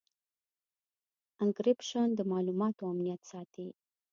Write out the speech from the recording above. انکریپشن د معلوماتو امنیت ساتي.